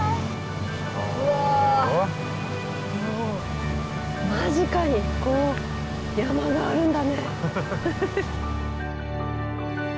もう間近にこう山があるんだね。